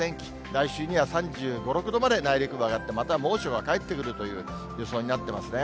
来週には３５、６度まで内陸部は上がって、また猛暑が返ってくるという予想になってますね。